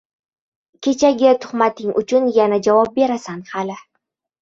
Kechagi tuhmating uchun yana javob berasan hali!